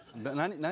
何？